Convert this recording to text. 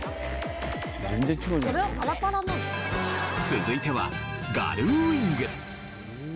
続いてはガルウィング。